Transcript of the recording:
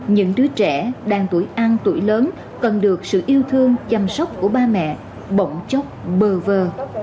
những đứa trẻ đang tuổi ăn tuổi lớn cần được sự yêu thương chăm sóc của ba mẹ bỗng chốc bờ vờ